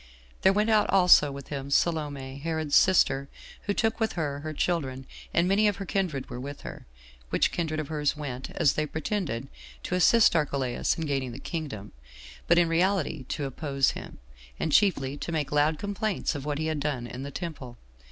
There went out also with him Salome, Herod's sister who took with her, her children, and many of her kindred were with her; which kindred of hers went, as they pretended, to assist Archelaus in gaining the kingdom, but in reality to oppose him, and chiefly to make loud complaints of what he had done in the temple.